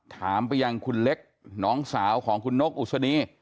ถามไปยังคุณเล็กน้องสาวของคุณนกอุศนี